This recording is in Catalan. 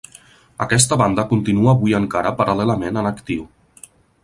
Aquesta banda continua avui encara paral·lelament en actiu.